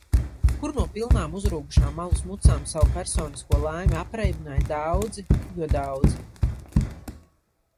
Kur no pilnām uzrūgušām alus mucām savu personisko laimi apreibināja daudzi jo daudzi.